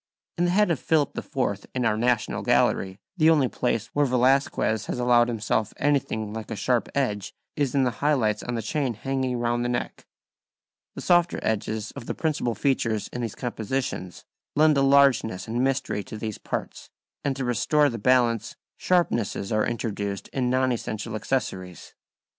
In the head of Philip IV in our National Gallery the only place where Velazquez has allowed himself anything like a sharp edge is in the high lights on the chain hanging round the neck. The softer edges of the principal features in these compositions lend a largeness and mystery to these parts, and to restore the balance, sharpnesses are introduced in non essential accessories.